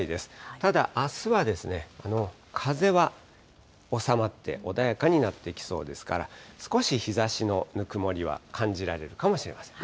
ただあすはですね、この風は収まって、穏やかになってきそうですから、少し日ざしのぬくもりは感じられるかもしれませんね。